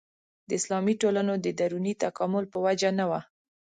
د اسلامي ټولنو د دروني تکامل په وجه نه وه.